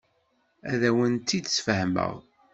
Ad awent-t-id-sfehmeɣ.